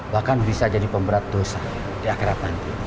bahkan bisa jadi pemberat dosa di akhirat nanti